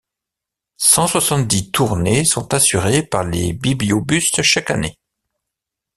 Cent soixante-dix tournées sont assurées par les bibliobus chaque année.